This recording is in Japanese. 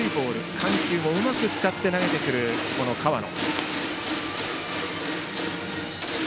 緩急をうまく使って投げてくる河野。